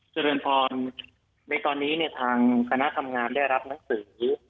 เจริญพรในตอนนี้เนี่ยทางคณะทำงานได้รับหนังสือ